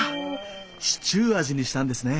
シチュー味にしたんですね！